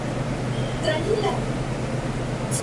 Volumen Brutal" con el tema "Satánico plan".